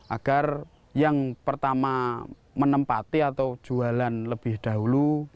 agar yang pertama menempati atau jualan lebih dahulu